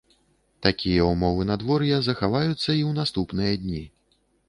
Такія ўмовы надвор'я захаваюцца і ў наступныя дні.